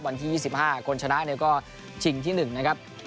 วันที่๒๕คนชนะเนี่ยก็ชิงที่๑นะครับ